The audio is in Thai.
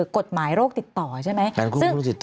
กฎหมายโรคติดต่อใช่ไหม